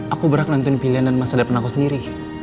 aku berhak nonton pilihan dan masa depan aku sendiri